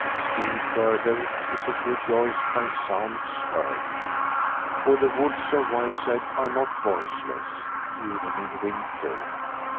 Still further is it rejoiced by sounds heard. For the woods of Wyeside are not voiceless, even in winter.